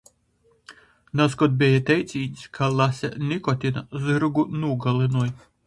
Nazkod beja teicīņs, ka lase nikotina zyrgu nūgalynoj...